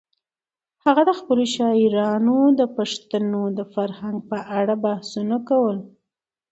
هغه د خپلو شاعرانو سره د پښتنو د فرهنګ په اړه بحثونه کول.